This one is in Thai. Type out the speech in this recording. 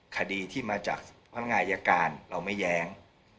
คดีที่มาจากพนักงานอายการเราไม่แย้ง